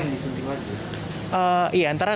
bagaimana dia akan disuntik lagi